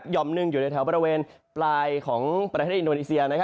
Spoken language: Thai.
่อมหนึ่งอยู่ในแถวบริเวณปลายของประเทศอินโดนีเซีย